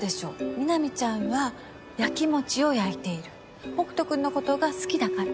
ミナミちゃんはやきもちをやいている北斗君のことが好きだから。